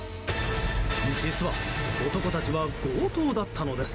実は男たちは強盗だったのです。